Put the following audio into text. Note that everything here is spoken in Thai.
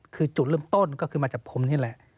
คือจุดเริ่มต้นก็คือมาจากผมนี่แหละ